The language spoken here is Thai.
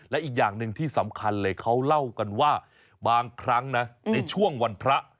และอีกอย่างหนึ่งที่สำคัญเลยเขาเล่ากันว่าบางครั้งนะในช่วงวันพระ